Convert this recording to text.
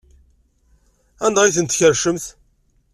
Anda ay tent-tkerrcemt?